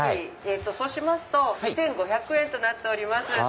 そうしますと２５００円となっております。